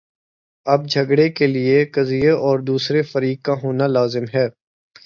اب جھگڑے کے لیے قضیے اور دوسرے فریق کا ہونا لازم ہے۔